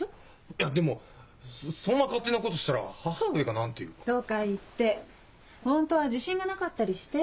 いやでもそんな勝手なことしたら母上が何て言うか。とか言って本当は自信がなかったりして？